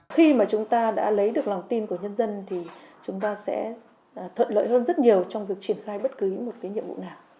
khi mà chúng ta đã lấy được lòng tin của nhân dân thì chúng ta sẽ thuận lợi hơn rất nhiều trong việc triển khai bất cứ một cái nhiệm vụ nào